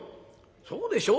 そうでしょ？